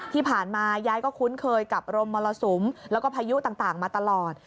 ยายก็คุ้นเคยกับรมมรสุมแล้วก็พายุต่างมาตลอด